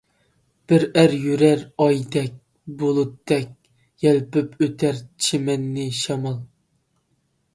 بىر ئەر يۈرەر ئايدەك، بۇلۇتتەك يەلپۈپ ئۆتەر چىمەننى شامال.